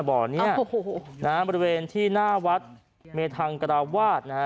บ่อนี้โอ้โหนะฮะบริเวณที่หน้าวัดเมธังกราวาสนะฮะ